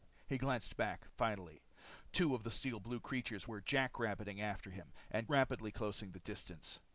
He glanced back finally. Two of the steel blue creatures were jack rabbiting after him, and rapidly closing the distance.